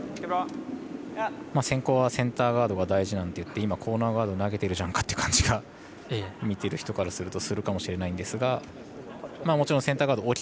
先行はセンターガードが大事なんていって今、コーナーガード投げてるじゃんかと見てる人からするとするかもしれないんですがもちろんセンターガード